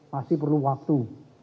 masih perlu waktu